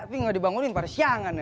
tapi gak dibangunin pada siang kan ya